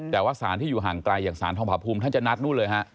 แต่ว่าสารที่อยู่ห่างไกลอย่างสารทองผาภูมิท่านจะนัดนู่นเลยฮะ